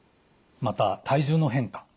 また体重の変化。